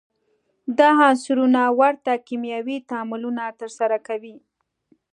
دا عنصرونه ورته کیمیاوي تعاملونه ترسره کوي.